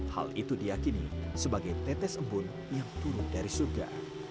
hal itu diakini sebagai tetes embun yang turun dari surga